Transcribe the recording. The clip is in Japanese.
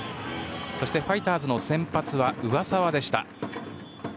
そしてファイターズの先発は上沢でした。